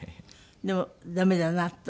でもダメだなと？